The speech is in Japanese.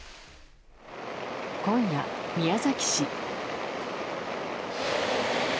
今夜、宮崎市。